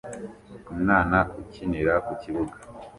umwana ukinira ku kibuga